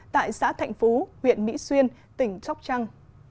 tại xã thạnh phú huyện mỹ xuyên tỉnh sóc trăng